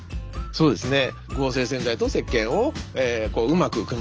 そうですね。